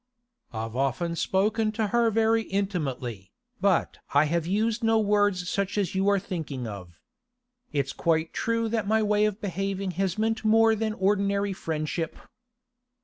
'I've often spoken to her very intimately, but I have used no words such as you are thinking of. It's quite true that my way of behaving has meant more than ordinary friendship.